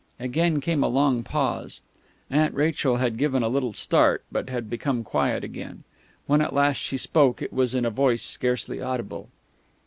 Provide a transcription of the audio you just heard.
Again came a long pause. Aunt Rachel had given a little start, but had become quiet again. When at last she spoke it was in a voice scarcely audible.